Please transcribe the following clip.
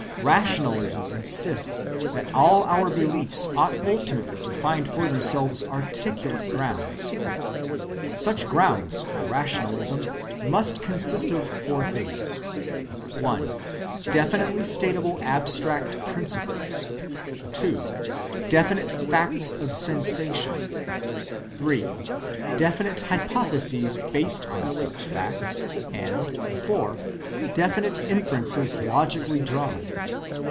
Rationalism insists that all our beliefs ought ultimately to find for themselves articulate grounds. Such grounds, for rationalism, must consist of four things: (1) definitely statable abstract principles; (2) definite facts of sensation; (3) definite hypotheses based on such facts; and (4) definite inferences logically drawn.